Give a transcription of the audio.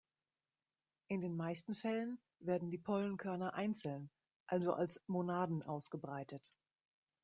In den meisten Fällen werden die Pollenkörner einzeln, also als "Monaden", ausgebreitet.